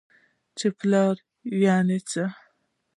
چې پلار يعنې څه؟؟!